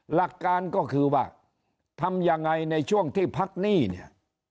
หลักการก็คือว่าทำยังไงในช่วงที่พักหนี้เนี่ย